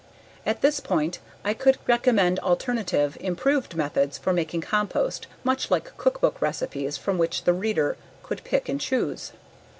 At this point I could recommend alternative, improved methods for making compost much like cookbook recipes from which the reader could pick and choose.